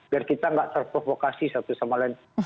biar kita nggak terprovokasi satu sama lain